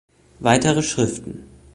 Weitere Schriften